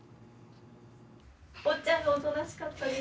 ・おっちゃんがおとなしかったです。